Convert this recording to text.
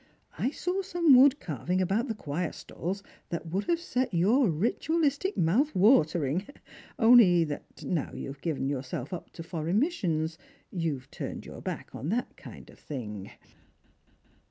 I saw some wood carving about the clioir stalls that would have set your ritualistic mouth watering, only that, now you've given yourself up to foreign missions, you've turned your back ujoon that kind of thing."